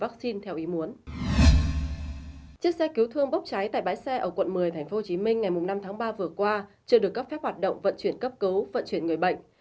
chiếc xe cứu thương bốc cháy tại bãi xe ở quận một mươi tp hcm ngày năm tháng ba vừa qua chưa được cấp phép hoạt động vận chuyển cấp cứu vận chuyển người bệnh